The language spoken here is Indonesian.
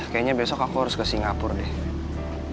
kayanya besok aku harus ke singapur deh